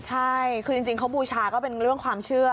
ใช่คือจริงเขาบูชาก็เป็นเรื่องความเชื่อ